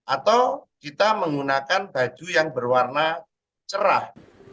atau kita menggunakan baju yang berwarna cerah